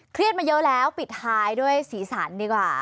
เครียดมาเยอะแล้วปิดท้ายด้วยศรีสรรค์ดีกว่า